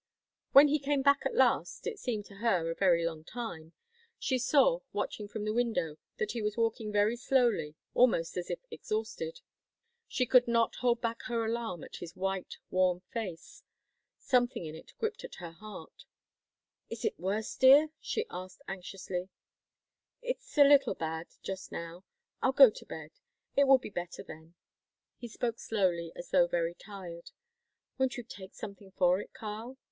When he came back at last it seemed to her a very long time she saw, watching from the window, that he was walking very slowly, almost as if exhausted She could not hold back her alarm at his white, worn face. Something in it gripped at her heart. "Is it worse, dear?" she asked anxiously. "It's a little bad just now. I'll go to bed. It will be better then." He spoke slowly, as though very tired. "Won't you take something for it, Karl?"